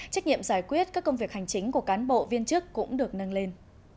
trách nhiệm giải quyết các công việc hành chính của cán bộ viên chức cũng được nâng lên